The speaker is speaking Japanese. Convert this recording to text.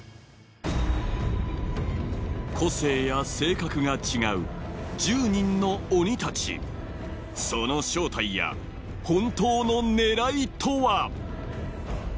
個性や性格が違う１０人の鬼たちその正体や本当の狙いとは？